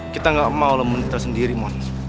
kita gak mau lo membutuhkan diri mon